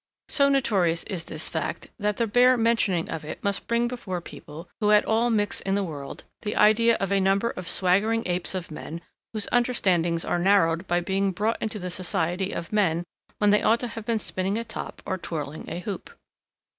So notorious is this fact, that the bare mentioning of it must bring before people, who at all mix in the world, the idea of a number of swaggering apes of men whose understandings are narrowed by being brought into the society of men when they ought to have been spinning a top or twirling a hoop.